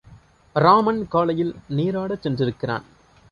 ராமன் காலையில் நீராடச் சென்றிருக்கிறான்.